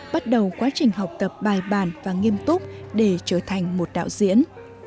bắt đầu quá trình học tập bài bàn và nghiêm túc để trở thành một đạo diễn